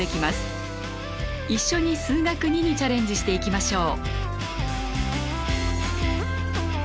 一緒に「数学Ⅱ」にチャレンジしていきましょう。